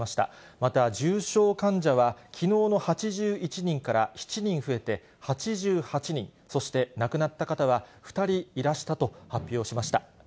また重症患者は、きのうの８１人から７人増えて８８人、そして亡くなった方は２人いらしたと発表しました。